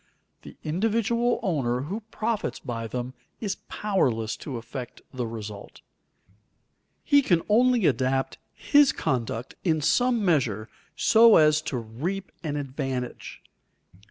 The individual owner who profits by them is powerless to affect the result. He can only adapt his conduct in some measure so as to reap an advantage.